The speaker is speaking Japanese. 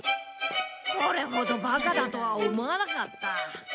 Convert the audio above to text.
これほどバカだとは思わなかった。